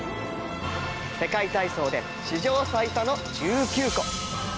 世界体操で史上最多の１９個。